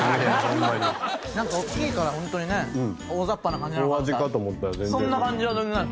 なんか大きいからホントにね大ざっぱな感じなのかと思ったらそんな感じは全然ない。